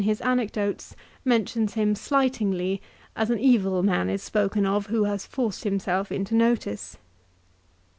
237 anecdotes mentions him slightingly as an evil man is spoken of, who has forced himself into notice.